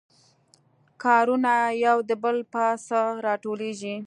کارونه یو د بل پاسه راټولیږي